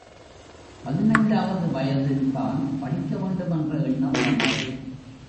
பதினைந்தாவது வயதில்தான் படிக்க வேண்டுமென்ற எண்ணம் வந்தது.